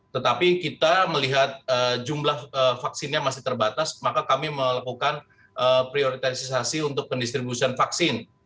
tetapi kita melihat jumlah vaksinnya masih terbatas maka kami melakukan prioritasisasi untuk pendistribusian vaksin